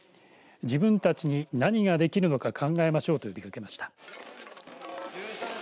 自分たちに何ができるのか考えましょうと呼びかけました。